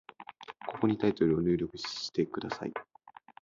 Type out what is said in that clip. ここにタイトルを入力してください。